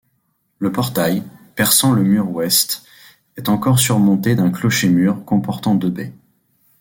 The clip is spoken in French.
Le portail, perçant le mur ouest, est encore surmonté d'un clocher-mur comportant deux baies.